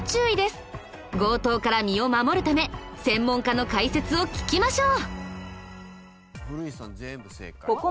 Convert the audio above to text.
強盗から身を守るため専門家の解説を聞きましょう。